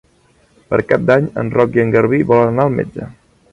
Per Cap d'Any en Roc i en Garbí volen anar al metge.